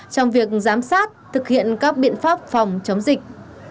trong việc giám sát thực hiện các biện pháp phòng chống dịch